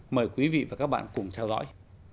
mời quý vị và các bạn cùng theo dõi